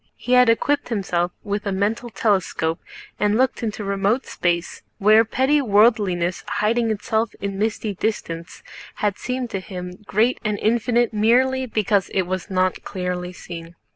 He had equipped himself with a mental telescope and looked into remote space, where petty worldliness hiding itself in misty distance had seemed to him great and infinite merely because it was not clearly seen.